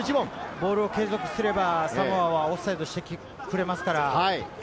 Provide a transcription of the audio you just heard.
ボールを継続していけば、サモアがオフサイドをしてきますから。